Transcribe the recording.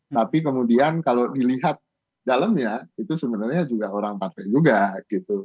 tapi kemudian kalau dilihat dalamnya itu sebenarnya juga orang partai juga gitu